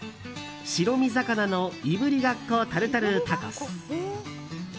白身魚のいぶりがっこタルタルタコス。